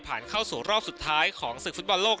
เข้าสู่รอบสุดท้ายของศึกฟุตบอลโลก